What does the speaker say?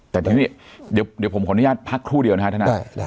แต่ทีนี้เดี๋ยวผมขออนุญาตพักครู่เดียวนะครับท่าน